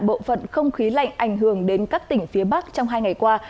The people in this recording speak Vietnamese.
bộ phận không khí lạnh ảnh hưởng đến các tỉnh phía bắc trong hai ngày qua